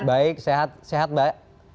baik sehat sehat mbak